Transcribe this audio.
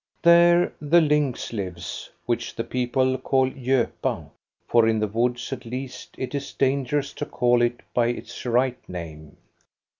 There the lynx lives, which the people call " gopa, for in the woods at least it is dangerous to call it by its right name.